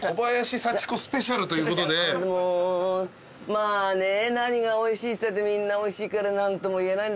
まあね何がおいしいっつったってみんなおいしいから何ともいえない。